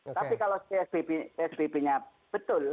tapi kalau psbb nya betul